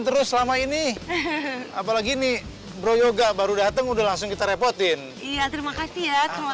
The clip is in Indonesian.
terus selama ini apalagi nih proyoga baru dateng udah langsung kita repotin terima kasih ya terima